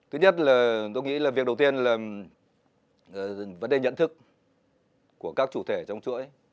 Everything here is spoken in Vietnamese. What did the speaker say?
thứ nhất là tôi nghĩ là việc đầu tiên là vấn đề nhận thức của các chủ thể trong chuỗi